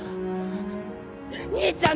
兄ちゃん